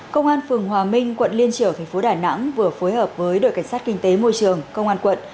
công an phường hòa minh quận liên triều thành phố đà nẵng vừa phối hợp với đội cảnh sát kinh tế môi trường công an quận